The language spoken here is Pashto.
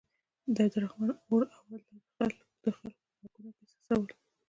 د عبدالرحمن اور اواز لا د خلکو په غوږونو کې څڅول.